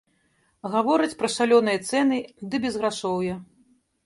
Гавораць пра шалёныя цэны ды безграшоўе.